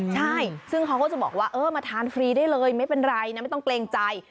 ใช่ซึ่งเขาก็จะบอกว่าเออมาทานฟรีได้เลยไม่เป็นไรนะไม่ต้องเกรงใจ